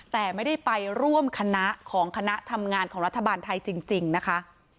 แต่ไม่ได้ไปร่วมคณะของคณะทำงานของรัฐบาลไทยจริงนะคะ